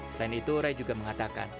selain itu ray juga mengatakan